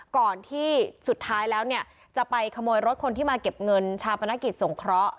ก่อนที่สุดท้ายแล้วเนี่ยจะไปขโมยรถคนที่มาเก็บเงินชาปนกิจสงเคราะห์